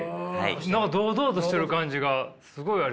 堂々としてる感じがすごいありますね。